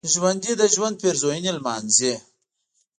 ژوندي د ژوند پېرزوینې لمانځي